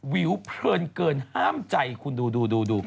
วิวเพลินเกินห้ามใจคุณดูดู